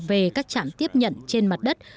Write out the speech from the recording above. về các trạm tiếp nhận trên mặt đất